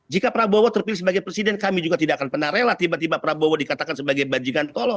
jika prabowo terpilih sebagai presiden kami juga tidak akan pernah rela tiba tiba prabowo dikatakan sebagai bajingan tolo